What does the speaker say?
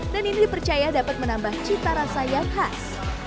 dan ini dipercaya dapat menambah cita rasa yang khas